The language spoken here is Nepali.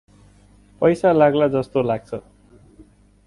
पैसा लाग्ला जस्तो लाग्छ।